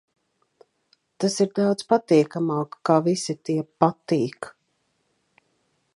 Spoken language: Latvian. Tas ir daudz patīkamāk, kā visi tie "Patīk".